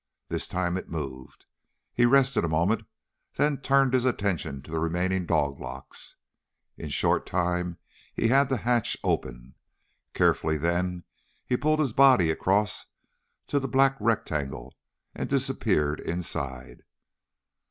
This time it moved. He rested a moment then turned his attention to the remaining doglocks. In short time he had the hatch open. Carefully, then, he pulled his body across to the black rectangle and disappeared inside.